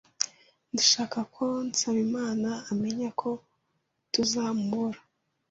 Ndashaka ko Nsabimana amenya ko tuzamubura.